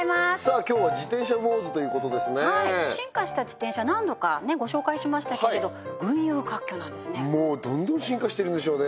今日は「自転車ウォーズ」ということですね進化した自転車何度かご紹介しましたけれど群雄割拠なんですねどんどん進化してるんでしょうね